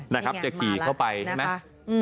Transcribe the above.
นะครับจะขี่เข้าไปนะครับ